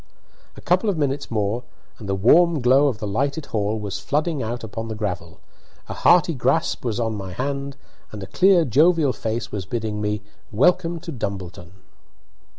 A couple of minutes more, and the warm glow of the lighted hall was flooding out upon the gravel, a hearty grasp was on my hand, and a clear jovial voice was bidding me "welcome to Dumbleton."